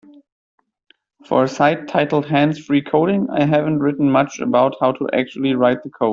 For a site titled Hands-Free Coding, I haven't written much about How To Actually Write The Code.